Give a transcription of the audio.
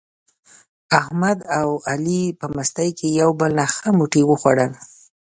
احمد او علي په مستۍ کې یو له بل نه ښه موټي و خوړل.